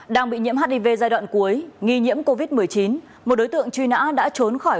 đang bị nhiễm hiv giai đoạn cuối nghi nhiễm covid một mươi chín một đối tượng truy nã đã trốn khỏi